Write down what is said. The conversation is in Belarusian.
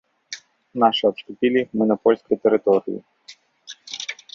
Нашы адступілі, мы на польскай тэрыторыі.